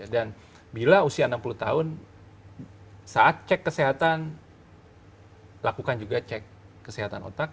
dan bila usia enam puluh tahun saat cek kesehatan lakukan juga cek kesehatan otak